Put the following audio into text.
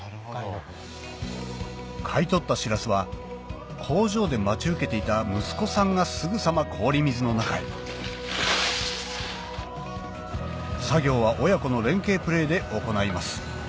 買い取ったしらすは工場で待ち受けていた息子さんがすぐさま氷水の中へ作業は親子の連係プレーで行います